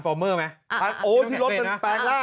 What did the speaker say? ไฟมิลโกฮือเห็นทรานฟอร์เมอร์ไหมอ่อที่รถเป็นแปรงล่าง